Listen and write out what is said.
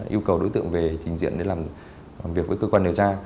yêu cầu đối tượng trình diện đi làm việc với cơ quan điều tra